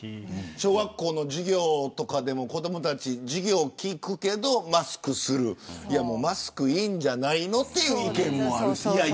小学校の授業でも子どもたち授業聞くけどマスクするマスクいいんじゃないのという意見もある。